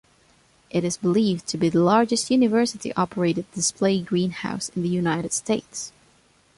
It is believed to be the largest university-operated display greenhouse in the United States.